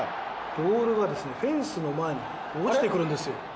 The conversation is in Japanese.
ボールがフェンスの前に落ちてくるんですよ。